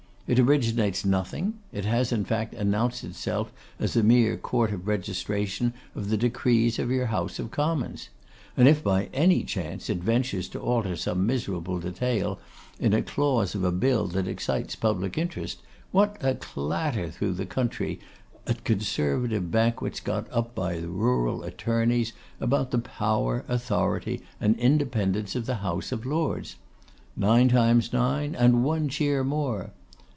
It originates nothing; it has, in fact, announced itself as a mere Court of Registration of the decrees of your House of Commons; and if by any chance it ventures to alter some miserable detail in a clause of a bill that excites public interest, what a clatter through the country, at Conservative banquets got up by the rural attorneys, about the power, authority, and independence of the House of Lords; nine times nine, and one cheer more!